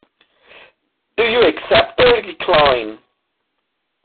Do you accept or decline?